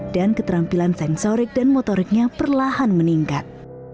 dan keterampilan sensorik dan motoriknya perlahan meningkat